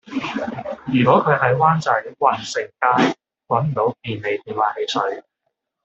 如果佢喺灣仔運盛街搵唔到便利店買汽水